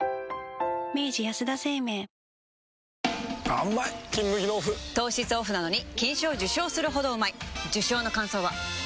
あーうまい「金麦」のオフ糖質オフなのに金賞受賞するほどうまい受賞の感想は？